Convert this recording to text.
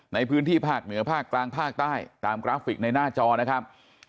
ในพื้นที่ภาคเหนือภาคกลางภาคใต้ตามกราฟิกในหน้าจอนะครับ